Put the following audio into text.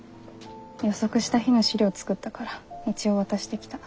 予測した日の資料作ったから一応渡してきた。